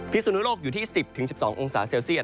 สุนุโลกอยู่ที่๑๐๑๒องศาเซลเซียต